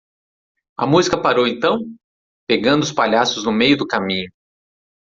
A música parou então? pegando os palhaços no meio do caminho.